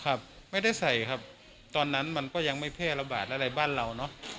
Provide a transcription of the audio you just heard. ครับไม่ได้ใส่ครับตอนนั้นมันก็ยังไม่แพร่ระบาดอะไรบ้านเราเนอะ